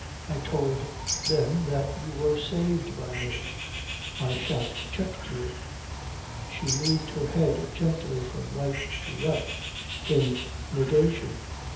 I told them that you were saved by me. My shout checked you ..." She moved her head gently from right to left in negation